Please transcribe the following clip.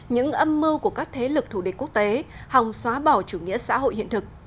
những âm mưu của các thế lực thù địch quốc tế hòng xóa bỏ chủ nghĩa xã hội hiện thực